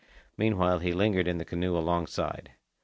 Meanwhile he lingered in the canoe alongside.